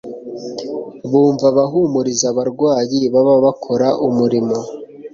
Bumva abahumuriza abarwayi baba bakora umurimo,